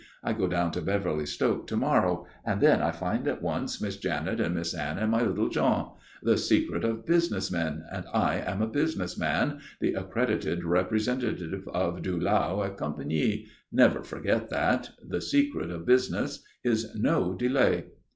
I go down to Beverly Stoke to morrow, and then I find at once Miss Janet and Miss Anne and my little Jean! The secret of business men, and I am a business man, the accredited representative of Dulau et Compagnie never forget that the secret of business is no delay."